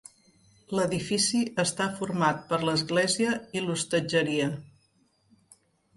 L'edifici està format per l'església i l'hostatgeria.